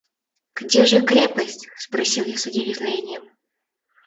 «Где же крепость?» – спросил я с удивлением.